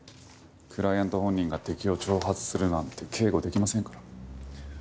クライアント本人が敵を挑発するなんて警護できませんから。